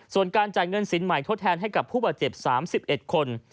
ส่วนการจ่ายเงินสินใหม่ทดแทนให้กับผู้บาดเจ็บ๓๑คน